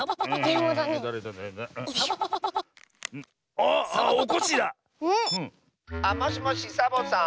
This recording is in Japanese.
あっもしもしサボさん？